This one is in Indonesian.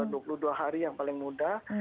satu bulan dua puluh dua hari yang paling muda